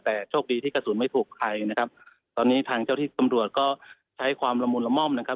แต่โชคดีที่กระสุนไม่ผูกใครนะครับตอนนี้ทางเจ้าที่ตำรวจก็ใช้ความละมุนละม่อมนะครับ